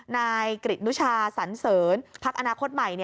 นายกริตนุชาสันเสริญพักอนาคตใหม่